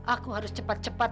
aku harus cepat cepat